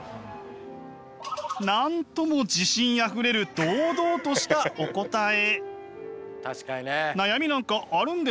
なんとも自信あふれる堂々としたお答え。